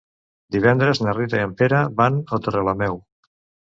Divendres na Rita i en Pere van a Torrelameu.